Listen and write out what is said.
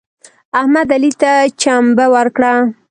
احمد علي ته چمبه ورکړه.